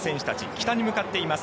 北に向かっています。